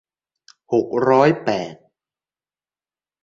หกร้อยแปด